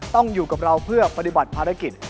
ต้องอยู่กับเราเพื่อปฏิบัติภารกิจ